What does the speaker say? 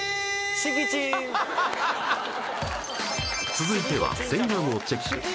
続いては洗顔をチェック